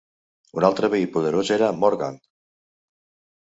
Un altre veí poderós era Morgannwg.